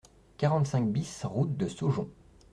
quarante-cinq BIS route de Saujon